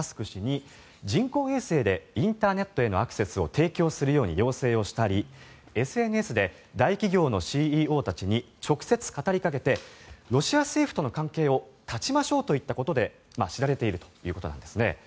氏に人工衛星でインターネットへのアクセスを提供するように要請をしたりＳＮＳで大企業のＣＥＯたちに直接語りかけてロシア政府との関係を断ちましょうといったことで知られているということです。